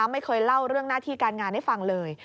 ไม่เคยเล่าเรื่องหน้าที่การงานให้ฟังเลย